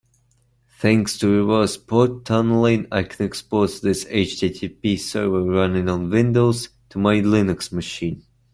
Thanks to reverse port tunneling, I can expose this HTTP server running on Windows to my Linux machine.